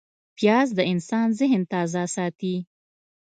پیاز د انسان ذهن تازه ساتي